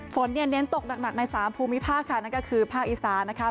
ฝนเนี่ยเน้นตกหนักใน๓ภูมิภาคค่ะนั่นก็คือภาคอีสานนะคะ